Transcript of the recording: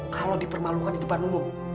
kalau dipermalukan di depan umum